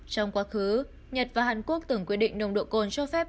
trong quá khứ nhật và hàn quốc từng quy định nồng độ cồn cho phép